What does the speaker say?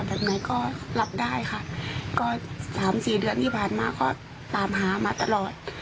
แบบไหนก็รับได้ค่ะก็สามสี่เดือนที่ผ่านมาก็ตามหามาตลอด